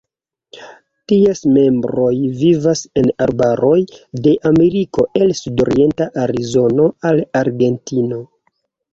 Ties membroj vivas en arbaroj de Ameriko el sudorienta Arizono al Argentino.